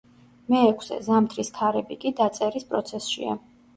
მეექვსე, „ზამთრის ქარები“ კი, დაწერის პროცესშია.